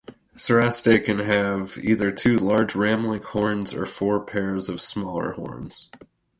Cerastae can have either two large ram-like horns or four pairs of smaller horns.